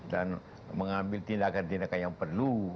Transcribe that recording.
dan mengambil tindakan tindakan yang perlu